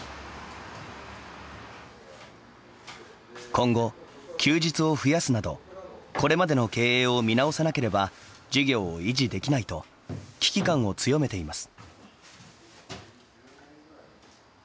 今後、休日を増やすなどこれまでの経営を見直さなければ事業を維持できないと危機感を強めています。